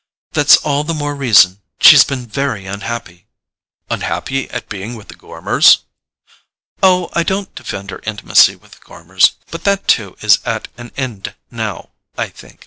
"That's all the more reason: she's been very unhappy." "Unhappy at being with the Gormers?" "Oh, I don't defend her intimacy with the Gormers; but that too is at an end now, I think.